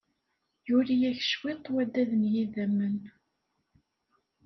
Yuli-ak cwiṭ wadad n yidammen.